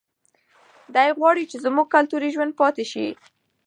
دی غواړي چې زموږ کلتور ژوندی پاتې شي.